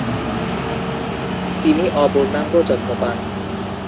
তিনি অপূর্ণাঙ্গ যত্ন পান।